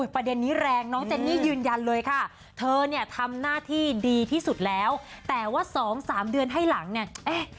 ประเด็นนี้แรงน้องเจนนี่ยืนยันเลยค่ะเธอเนี่ยทำหน้าที่ดีที่สุดแล้วแต่ว่า๒๓เดือนให้หลังเนี่ย